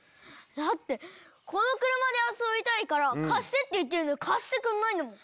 だってこの車で遊びたいから貸してって言ってるのに貸してくんないんだもん。